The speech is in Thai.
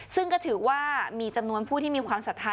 ซึ่งก็ถือว่ามีจำนวนผู้ที่มีความศรัทธา